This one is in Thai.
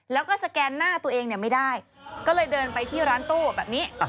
แล้วก็สแกนหน้าตัวเองไม่ได้ก็เลยเดินไปที่ร้านตู้แบบนี้